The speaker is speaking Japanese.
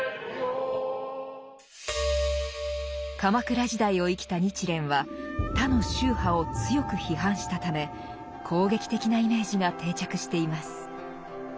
鎌倉時代を生きた日蓮は他の宗派を強く批判したため攻撃的なイメージが定着しています。